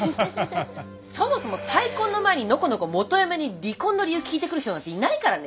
そもそも再婚の前にのこのこ元嫁に離婚の理由聞いてくる人なんていないからね。